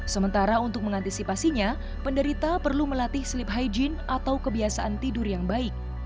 sementara untuk mengantisipasinya penderita perlu melatih sleep hygiene atau kebiasaan tidur yang baik